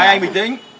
hai anh bình tĩnh